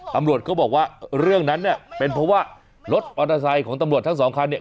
ตำรวจก็บอกว่าเรื่องนั้นเนี่ยเป็นเพราะว่ารถมอเตอร์ไซค์ของตำรวจทั้งสองคันเนี่ย